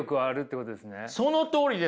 そのとおりですよ。